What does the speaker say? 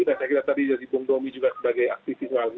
dan saya kira tadi jadi bung domi juga sebagai aktifisual ini